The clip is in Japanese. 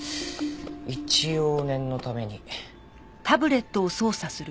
一応念のために。